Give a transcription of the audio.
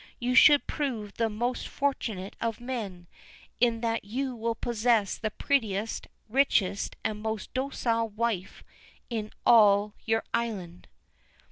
You should prove the most fortunate of men, in that you will possess the prettiest, richest, and most docile wife in all your island."